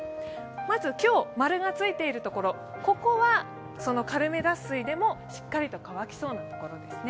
まず今日、○がついている所は軽め脱水でもしっかりと乾きそうな所ですね。